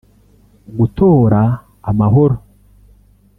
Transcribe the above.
gutora amahoro